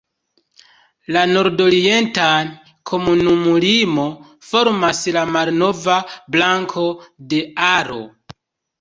La nordorientan komunumlimo formas la malnova brako de Aro.